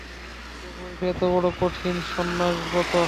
এ বয়সে এতবড়ো কঠিন সন্ন্যাসব্রত!